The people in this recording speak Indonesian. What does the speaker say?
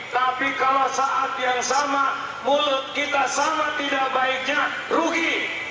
tapi kalau saat yang sama mulut kita sama tidak baiknya rugi